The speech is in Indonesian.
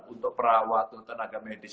untuk perawat tenaga medis